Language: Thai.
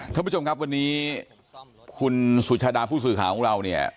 ท่านผู้ชมครับวันนี้คุณสุชาดาผู้สื่อข่าวของเราเนี่ย